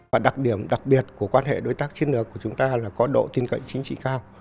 và đặc điểm đặc biệt của quan hệ đối tác chiến lược của chúng ta là có độ tin cậy chính trị cao